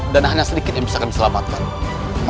dan hanya sedikit yang bisa kena berburu rangga buwana